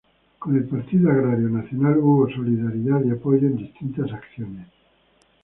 Con el Partido Agrario Nacional hubo solidaridad y apoyo en distintas acciones.